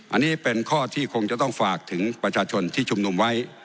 อันนี้เป็นข้อที่คงจะต้องฝากถึงประชาชนที่ชุมนุมไว้